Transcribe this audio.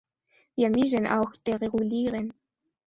Wir müssen auch deregulieren.